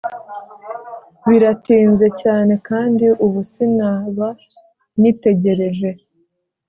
biratinze cyane kandi ubu sinaba nyitegereje.